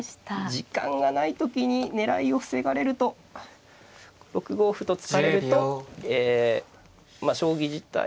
時間がない時に狙いを防がれると６五歩と突かれるとえ将棋自体はえ